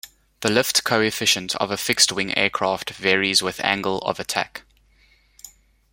The lift coefficient of a fixed-wing aircraft varies with angle of attack.